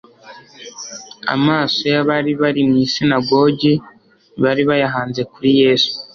Amaso y'abari bari mu isinagogi, bari bayahanze kuri Yesu.